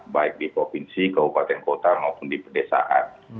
baik di provinsi kabupaten kota maupun di pedesaan